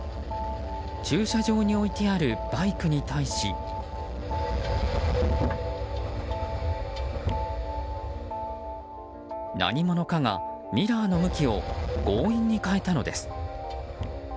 駐車場に置いてあるバイクに対し何者かがミラーの向きを強引に変えたのです。